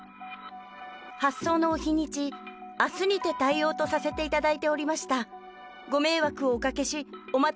発送のお日にち、明日にて対応とさせていただいておりました。